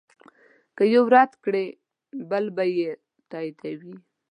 که یو رد کړې بل به یې تاییدوي.